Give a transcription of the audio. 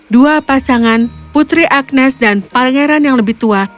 dua pasangan putri agnes dan pangeran yang lebih tua